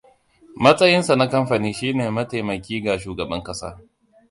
Matsayinsa na kamfani shi ne mataimaki ga shugaban kasa.